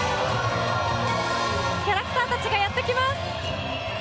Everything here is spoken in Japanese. キャラクターたちがやってきます。